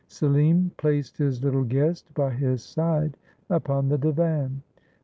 Selim placed his little guest by his side upon the divan.